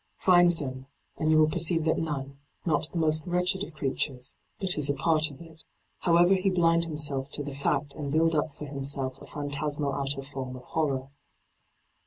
Find them, and you will perceive that none, not the most wretched of creatures, but is a part of it, however he blind himself to the fact and build up for himself a phantasmal outer form of horror.